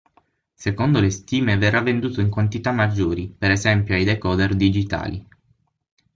Secondo le stime verrà venduto in quantità maggiori, per esempio ai decoder digitali.